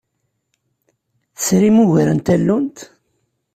Tesrim ugar n tallunt?